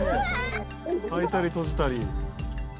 開いたり閉じたり。